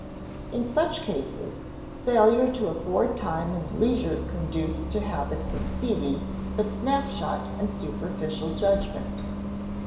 In such cases, failure to afford time and leisure conduce to habits of speedy, but snapshot and superficial, judgment.